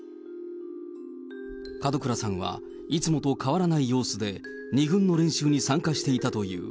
門倉さんはいつもと変わらない様子で２軍の練習に参加していたという。